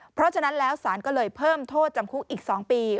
เพราะฉะนั้นแล้วสารก็เลยเพิ่มโทษจำคุกอีก๒ปี